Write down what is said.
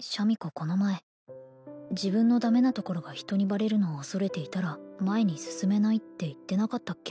この前自分のダメなところが人にバレるのを恐れていたら前に進めないって言ってなかったっけ